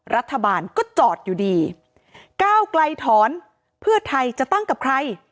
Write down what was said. รัฐบาลก็จอดอยู่ดีก้าวไกลถอนเพื่อไทยจะตั้งกับใคร